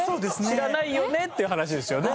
知らないよね？っていう話ですよね。